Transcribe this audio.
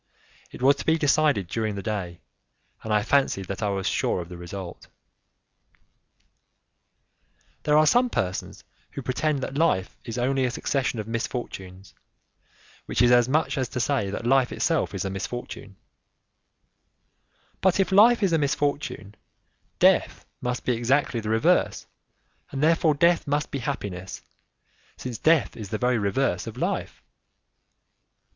It was to be decided during the day, and I fancied that I was sure of the result. There are some persons who pretend that life is only a succession of misfortunes, which is as much as to say that life itself is a misfortune; but if life is a misfortune, death must be exactly the reverse and therefore death must be happiness, since death is the very reverse of life.